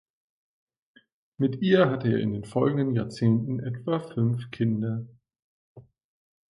Mit ihr hatte er in den folgenden Jahrzehnten etwa fünf Kinder.